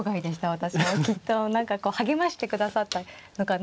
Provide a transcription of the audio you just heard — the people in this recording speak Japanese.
私はきっと何かこう励ましてくださったのかなって。